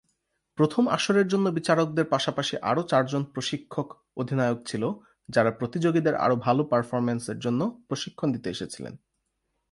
প্রথম আসরের জন্য বিচারকদের পাশাপাশি আরও চারজন প্রশিক্ষক/অধিনায়ক ছিল; যারা প্রতিযোগীদের আরও ভাল পারফরম্যান্সের জন্য প্রশিক্ষণ দিতে এসেছিলেন।